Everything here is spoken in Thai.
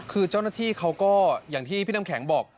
คือเจ้าหน้าที่เขาก็อย่างที่พี่น้ำแข็งบอก